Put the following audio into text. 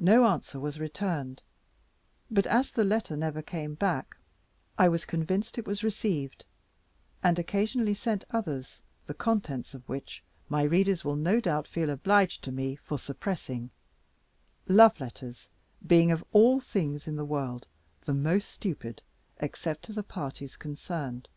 No answer was returned; but as the letter never came back, I was convinced it was received, and occasionally sent others, the contents of which my readers will, no doubt, feel obliged to me for suppressing, love letters being of all things in the world the most stupid, except to the parties concerned.